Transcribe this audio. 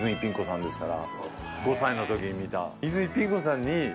５歳の時に見た。